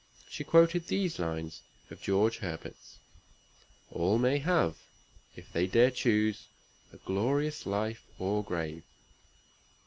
She quoted those lines of George Herbert's: "All may have, If they dare choose, a glorious life, or grave."